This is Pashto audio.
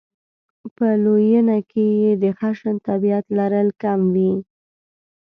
په لویېنه کې یې د خشن طبعیت لرل کم وي.